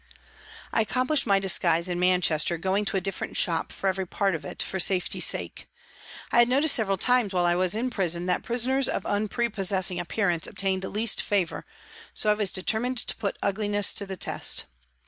I accomplished my disguise in Manchester, going to a different shop for every part of it, for safety's sake. I had noticed several times while I was in prison that prisoners of unprepossessing appearance obtained least favour, so I was deter mined to put ugliness to the test.